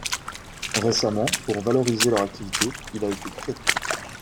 Récemment pour valoriser leur activité, le a été créé.